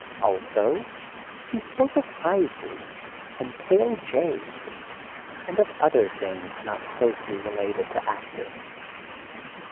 Also he spoke of ivory, and pale jade, and of other things not closely related to acting.